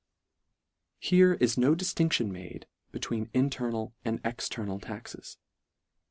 Here is no distinction made, between in ternal and external taxes.